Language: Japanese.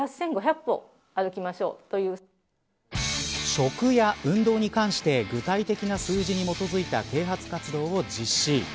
食や運動に関して具体的な数字に基づいた啓発活動を実施。